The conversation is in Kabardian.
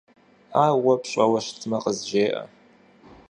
Ар уэ пщӀэуэ щытмэ, къызжеӏэ.